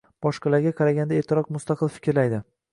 Boshqalarga qaraganda ertaroq mustaqil fikrlaydi.